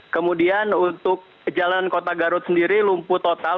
kemudian untuk jalan kota garut sendiri lumpuh total